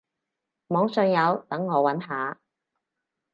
網上有，等我揾下